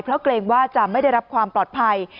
เพราะเกรงว่าจะไม่ได้รับความปลอดภัย